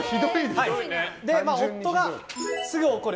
夫がすぐ怒る。